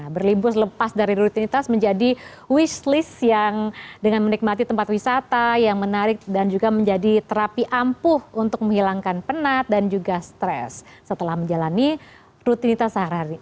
berlibus lepas dari rutinitas menjadi wish list yang dengan menikmati tempat wisata yang menarik dan juga menjadi terapi ampuh untuk menghilangkan penat dan juga stres setelah menjalani rutinitas sehari hari